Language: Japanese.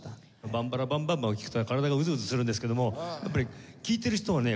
「バンバラバンバンバン」を聴くと体がうずうずするんですけどもやっぱり聴いてる人をね